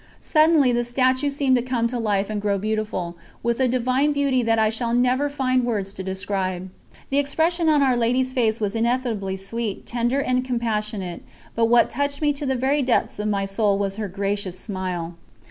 Suddenly the statue seemed to come to life and grow beautiful, with a divine beauty that I shall never find words to describe. The expression of Our Lady's face was ineffably sweet, tender, and compassionate; but what touched me to the very depths of my soul was her gracious smile.